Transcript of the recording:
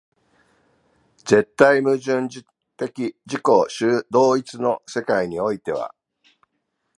絶対矛盾的自己同一の世界においては、